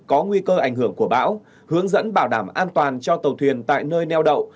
có nguy cơ ảnh hưởng của bão hướng dẫn bảo đảm an toàn cho tàu thuyền tại nơi neo đậu